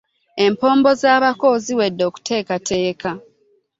Empombo z'abako ziwedde okuteekateeka.